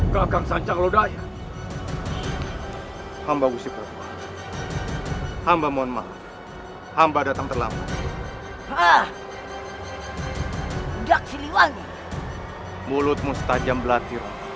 kau akan mencari tempat aman untuk kita beristirahat